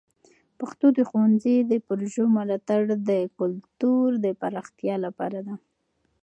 پښتو د ښونځي د پروژو ملاتړ د کلتور د پراختیا لپاره ده.